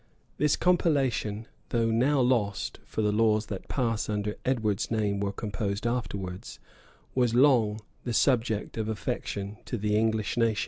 This compilation, though now lost, (for the laws that pass under Edward's name were composed afterwards,[*]) was long the object of affection to the English nation.